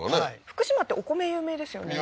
福島って、お米有名ですよね。